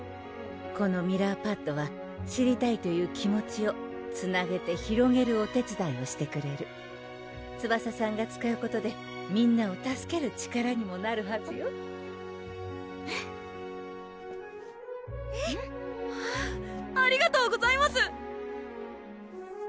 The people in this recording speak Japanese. このミラーパッドは知りたいという気持ちをつなげて広げるお手伝いをしてくれるツバサさんが使うことでみんなを助ける力にもなるはずよありがとうございます！